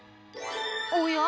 おや？